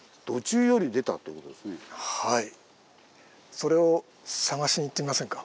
それを探しに行ってみませんか？